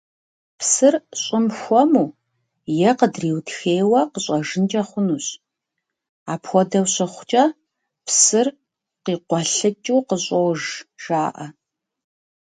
Псыр щӀым хуэму е къыдриутхейуэ къыщӀэжынкӀэ хъунущ, апхуэдэу щыхъукӀэ «Псыр къикъуэлъыкӀыу къыщӀож» жаӀэ.